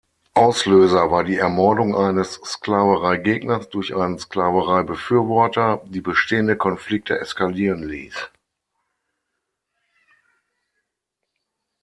Auslöser war die Ermordung eines Sklaverei-Gegners durch einen Sklaverei-Befürworter, die bestehende Konflikte eskalieren ließ.